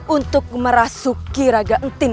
untuk merasuki raga entin